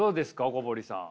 小堀さん。